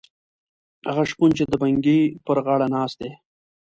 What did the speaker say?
هغه شپون چې د بنګي پر غاړه ناست دی.